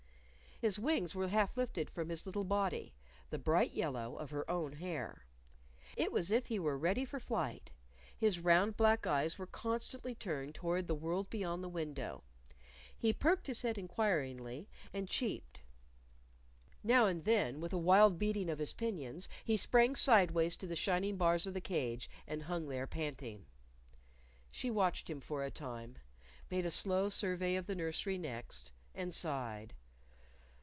His wings were half lifted from his little body the bright yellow of her own hair. It was as if he were ready for flight. His round black eyes were constantly turned toward the world beyond the window. He perked his head inquiringly, and cheeped. Now and then, with a wild beating of his pinions, he sprang sidewise to the shining bars of the cage, and hung there, panting. She watched him for a time; made a slow survey of the nursery next, and sighed.